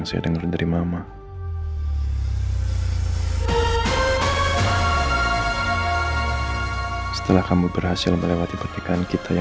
sengaja aku bawa aku ke laut ya